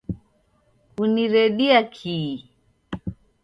Kuniredia kii